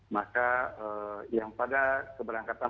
maka yang pada keberangkatan